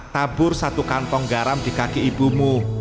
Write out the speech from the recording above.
tabur satu kantong garam di kaki ibumu